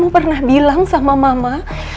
pernah bilang sama mama